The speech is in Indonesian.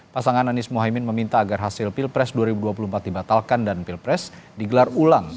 pasangan anies mohaimin meminta agar hasil pilpres dua ribu dua puluh empat dibatalkan dan pilpres digelar ulang